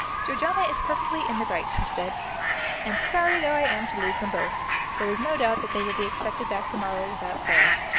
"Georgiana is perfectly in the right," she said, "and sorry though I am to lose them both, there is no doubt that they will be expected back to morrow without fail.